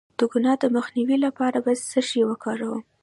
د ګناه د مینځلو لپاره باید څه شی وکاروم؟